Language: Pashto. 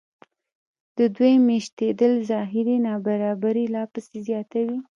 د دوی مېشتېدل ظاهري نابرابري لا پسې زیاتوي